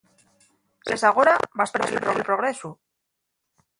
Si coles agora, vas perder el progresu.